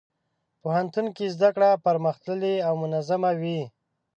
پوهنتون کې زدهکړه پرمختللې او منظمه وي.